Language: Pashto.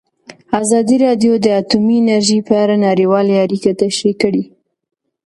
ازادي راډیو د اټومي انرژي په اړه نړیوالې اړیکې تشریح کړي.